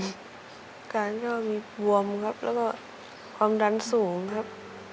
อาการก็มีบวมครับแล้วก็ความดันสูงครับ